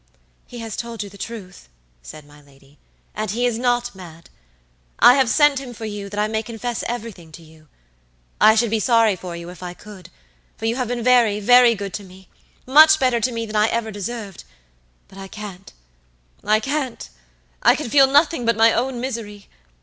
"He has told you the truth," said my lady, "and he is not mad! I have sent him for you that I may confess everything to you. I should be sorry for you if I could, for you have been very, very good to me, much better to me than I ever deserved; but I can't, I can'tI can feel nothing but my own misery.